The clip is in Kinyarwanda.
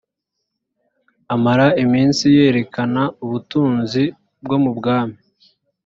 amara iminsi yerekana ubutunzi bwo mu bwami